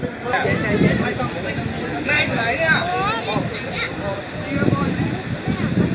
ท่านพี่เอาออกมาจากที่นี่